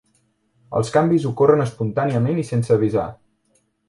Els canvis ocorren espontàniament i sense avisar.